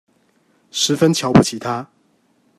十分瞧不起他